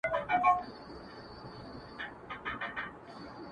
بیا را ژوندي کړو د بابا لښکري!!